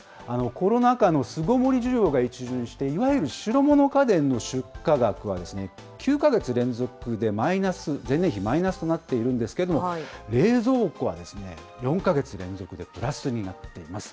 コロナ禍の巣ごもり需要が一巡して、いわゆる白物家電の出荷額は９か月連続で、前年比マイナスとなっているんですけれども、冷蔵庫は４か月連続でプラスになっています。